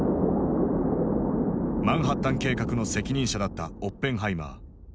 マンハッタン計画の責任者だったオッペンハイマー。